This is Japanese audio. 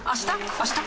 あした？